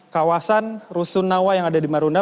kawasan rusunawa yang ada di marunda